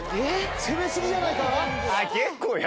攻め過ぎじゃないか？